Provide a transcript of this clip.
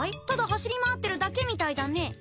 ただ走り回ってるだけみたいだね。